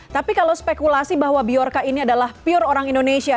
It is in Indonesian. tapi kalau spekulasi bahwa biorca ini adalah pure orang indonesia